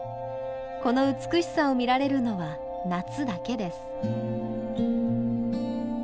この美しさを見られるのは夏だけです。